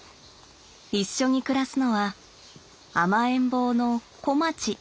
一緒に暮らすのは甘えん坊の小町。